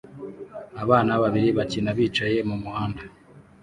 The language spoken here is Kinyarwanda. Abana babiri bakina bicaye mu muhanda